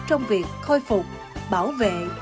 trong việc khôi phục bảo vệ